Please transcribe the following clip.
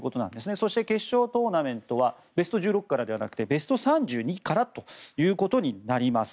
そして決勝トーナメントはベスト１６からではなくてベスト３２からということになります。